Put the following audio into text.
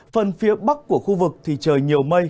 phần phía bắc của khu vực thì trời nhiều mây